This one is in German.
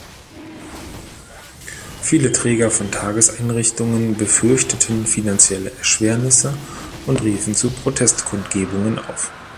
Viele Träger von Tageseinrichtungen befürchteten finanzielle Erschwernisse und riefen zu Protestkundgebungen auf.